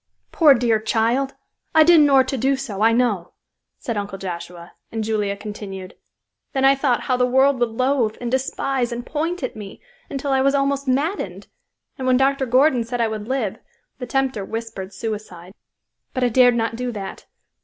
"Poor dear child! I didn't or'to do so, I know," said Uncle Joshua, and Julia continued: "Then I thought how the world would loathe, and despise and point at me, until I was almost maddened, and when Dr. Gordon said I would live, the tempter whispered suicide; but I dared not do that.